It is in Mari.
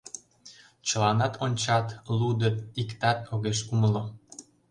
Чыланат ончат, лудыт — иктат огеш умыло.